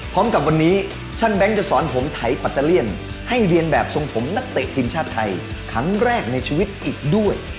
พร้อมกับวันนี้ช่างแบงค์จะสอนผมไถปัตเตอร์เลี่ยนให้เรียนแบบทรงผมนักเตะทีมชาติไทยครั้งแรกในชีวิตอีกด้วย